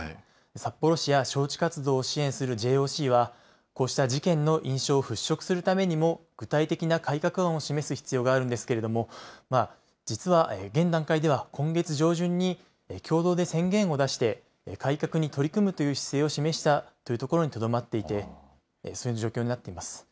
札幌市や招致活動を支援するＪＯＣは、こうした事件の印象を払拭するためにも、具体的な改革案を示す必要があるんですけれども、実は現段階では、今月上旬に共同で宣言を出して、改革に取り組むという姿勢を示したというところにとどまっていて、そういう状況になっています。